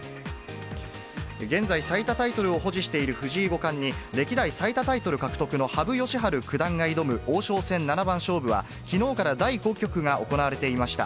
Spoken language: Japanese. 現在、最多タイトルを保持している藤井五冠に、歴代最多タイトル獲得の羽生善治九段が挑む王将戦七番勝負は、きのうから第５局が行われていました。